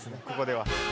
ここでは。